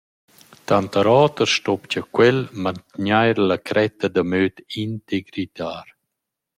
Tanter oter stopcha quel mantgnair la cretta da möd integritar.